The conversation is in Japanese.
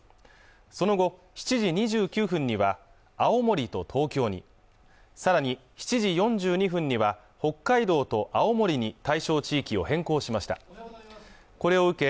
その後７時２９分には青森と東京にさらに７時４２分には北海道と青森に対象地域を変更しましたこれを受け